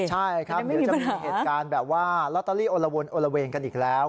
ใช่ครับเดี๋ยวจะมีเหตุการณ์แบบว่าลอตเตอรี่โอละวนโอละเวงกันอีกแล้ว